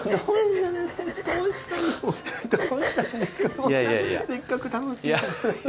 そんなせっかく楽しい。